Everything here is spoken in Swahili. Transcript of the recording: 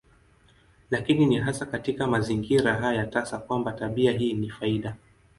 Lakini ni hasa katika mazingira haya tasa kwamba tabia hii ni faida.